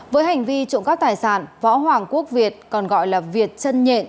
với hành vi trộm cắp tài sản võ hoàng quốc việt còn gọi là việt trân nhện